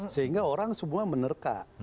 sehingga orang semua menerka